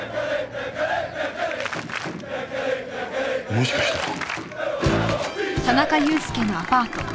もしかしたら。